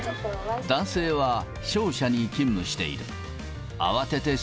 男性は商社に勤務している。